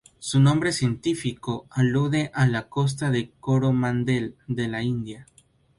Su nombre científico alude a la costa de Coromandel de la India.